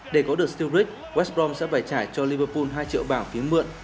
để có được sturridge west brom sẽ phải trải cho liverpool hai triệu bảng phí mượn